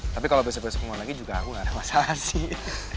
tapi kalau besok besok mau lagi juga aku gak ada masalah sih